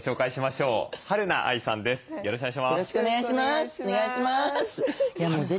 よろしくお願いします。